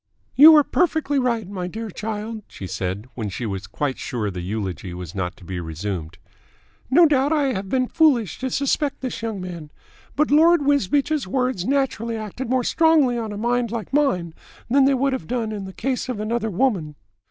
"You are perfectly right, my dear child," she said when she was quite sure the eulogy was not to be resumed. "No doubt I have been foolish to suspect this young man. But Lord Wisbeach's words naturally acted more strongly on a mind like mine than they would have done in the case of another woman."